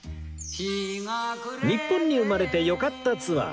日本に生まれてよかったツアー